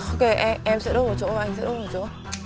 ok em sẽ đốt một chỗ và anh sẽ đốt một chỗ